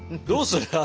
どうする？